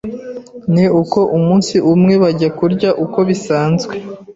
Ni uko umunsi umwe bajya kurya uko bisanzwe,